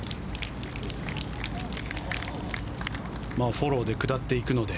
フォローで下っていくので。